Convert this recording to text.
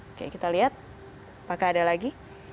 oke kita lihat apakah ada lagi